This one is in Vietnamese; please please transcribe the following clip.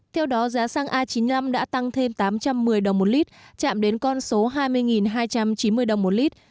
theo đó giá xăng a chín mươi năm đã tăng thêm tám trăm một mươi đồng một lít chạm đến con số hai mươi hai trăm chín mươi đồng một lít